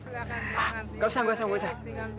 gak usah gak usah gak usah